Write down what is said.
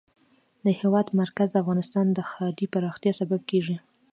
د هېواد مرکز د افغانستان د ښاري پراختیا سبب کېږي.